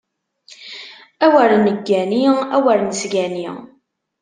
Awer neggani, awer nesgani!